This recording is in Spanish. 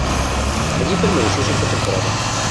Allí permaneció cinco temporadas.